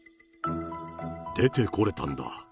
出て来れたんだ。